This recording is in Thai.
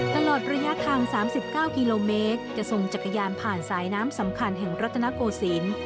ตลอดระยะทาง๓๙กิโลเมตรจะส่งจักรยานผ่านสายน้ำสำคัญแห่งรัฐนโกศิลป์